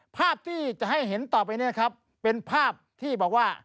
ภาพที่จะให้เห็นต่อไปเนี่ยครับเป็นภาพที่บอกว่า